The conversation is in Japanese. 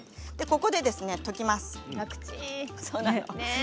ここで溶きます。